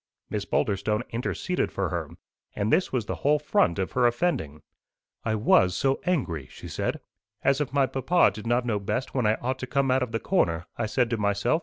Miss Boulderstone interceded for her; and this was the whole front of her offending. "I was so angry!" she said. "'As if my papa did not know best when I ought to come out of the corner!' I said to myself.